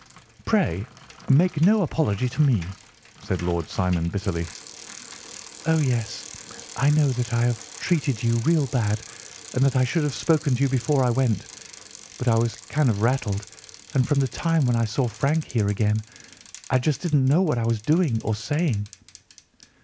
"Pray make no apology to me," said Lord St. Simon bitterly. "Oh, yes, I know that I have treated you real bad and that I should have spoken to you before I went; but I was kind of rattled, and from the time when I saw Frank here again I just didn't know what I was doing or saying.